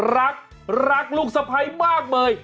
รักรักลูกสภัยมากเบย